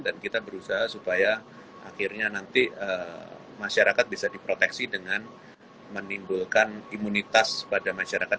dan kita berusaha supaya akhirnya nanti masyarakat bisa diproteksi dengan menimbulkan imunitas pada masyarakat